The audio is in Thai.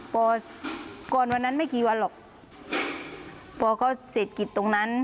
พอก่อนวันนั้นไม่กี่วันหรอกปอก็เศรษฐกิจตรงนั้น